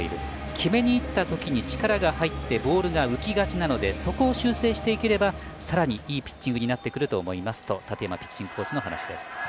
決めに行った時に力が入ってボールが浮きがちなのでそこを修正していければさらにいいピッチングになってくると思いますと建山ピッチングコーチの話です。